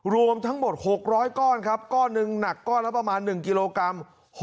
รวมทั้งหมด๖๐๐ก้อนครับก้อนหนึ่งหนักก้อนละประมาณ๑กิโลกรัม